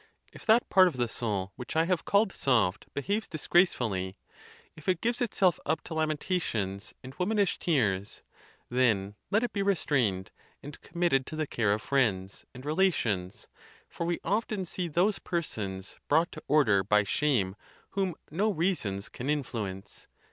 If that part of the soul which I have called soft behaves disgracefully, if it gives itself up to lamentations and womanish tears, then let it be restrained, and committed to the care of friends and relations, for we often see those persons brought to or der by shame whom no reasons can influence.